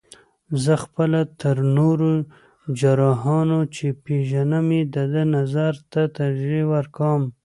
زه خپله تر نورو جراحانو، چې پېژنم یې د ده نظر ته ترجیح ورکوم.